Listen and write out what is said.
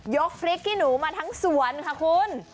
กพริกขี้หนูมาทั้งสวนค่ะคุณ